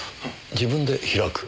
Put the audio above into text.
自分で開く？